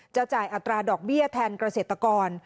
จ่ายอัตราดอกเบี้ยแทนเกษตรกร